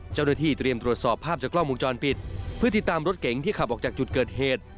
เจ้าหน้าที่เตรียมตรวจสอบภาพจากกล้องวงจรปิดเพื่อติดตามรถเก๋งที่ขับออกจากจุดเกิดเหตุ